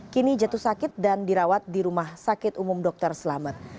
kini jatuh sakit dan dirawat di rumah sakit umum dr selamet